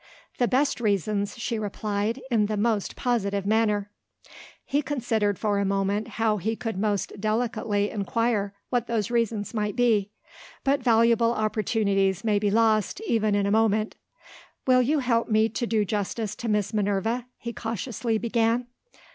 "The best reasons," she replied, in the most positive manner. He considered for a moment how he could most delicately inquire what those reasons might be. But valuable opportunities may be lost, even in a moment. "Will you help me to do justice to Miss Minerva?" he cautiously began.